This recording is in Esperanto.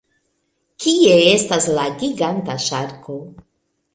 Kie estas la giganta ŝarko?